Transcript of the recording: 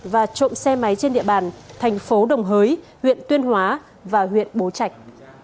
và trộm xe máy trên địa bàn tp đồng hới huyện tuyên hóa và huyện bố trạch